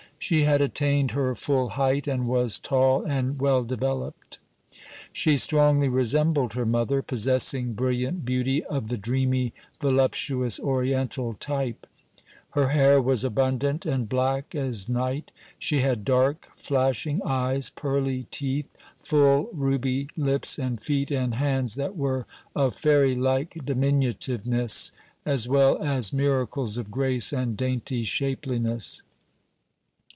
She had attained her full height, and was tall and well developed. She strongly resembled her mother, possessing brilliant beauty of the dreamy, voluptuous oriental type. Her hair was abundant and black as night. She had dark, flashing eyes, pearly teeth, full ruby lips and feet and hands that were of fairylike diminutiveness, as well as miracles of grace and dainty shapeliness.